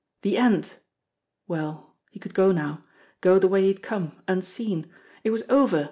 The end! Well, he could go now. Go the way he had come unseen. It was over